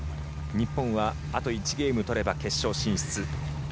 日本はあと１ゲーム取れば決勝進出。